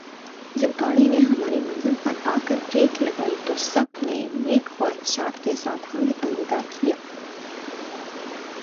جب گاڑی نے ہماری منزل پر آ کر بریک لگائی تو سب نے نیک خواہشات کے ساتھ ہمیں الوداع کیا